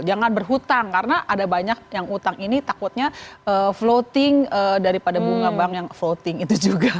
jangan berhutang karena ada banyak yang utang ini takutnya floating daripada bunga bank yang voting itu juga